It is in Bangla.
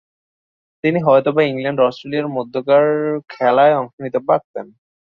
তিনি হয়তোবা ইংল্যান্ড-অস্ট্রেলিয়ার মধ্যকার খেলায় অংশ নিতে পারতেন।